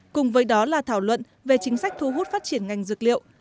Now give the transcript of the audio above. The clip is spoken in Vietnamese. cùng với đó là thảo luận về chính sách thu hút phát triển ngành dược liệu